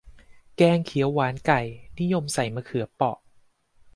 แกงเขียวหวานไก่ นิยมใส่มะเขือเปาะ